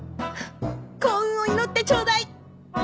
幸運を祈ってちょうだい！